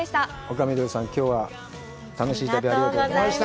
丘みどりさん、きょうは楽しい旅、ありがとうございました。